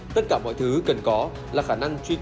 tất cả mọi thứ cần có là khả năng truy cập